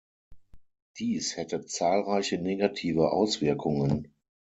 Dies hätte zahlreiche negative Auswirkungen.